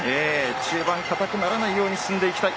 中盤、堅くならないように進んでいきたい。